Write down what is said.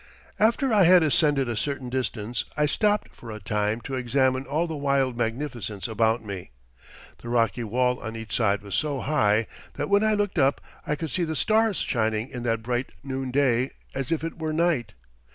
"After I had ascended a certain distance, I stopped for a time to examine all the wild magnificence about me. The rocky wall on each side was so high that when I looked up I could see the stars shining in that bright noonday, as if it were night.